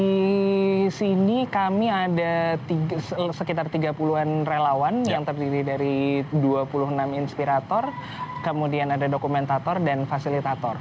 di sini kami ada sekitar tiga puluh an relawan yang terdiri dari dua puluh enam inspirator kemudian ada dokumentator dan fasilitator